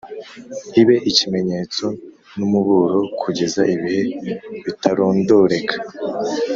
ibe ikimenyetso n’umuburo kugeza ibihe bitarondoreka